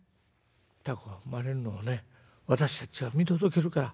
タコが生まれるのをね私たちが見届けるから。